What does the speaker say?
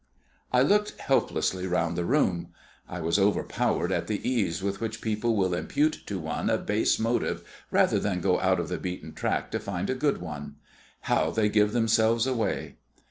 I looked helplessly round the room. I was overpowered at the ease with which people will impute to one a base motive rather than go out of the beaten track to find a good one. How they give themselves away!